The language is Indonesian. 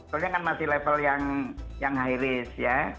soalnya kan masih level yang high risk ya